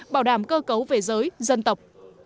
bảo đảm cơ cấu về giới dân tộc